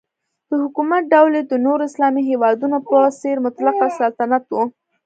د حکومت ډول یې د نورو اسلامي هیوادونو په څېر مطلقه سلطنت و.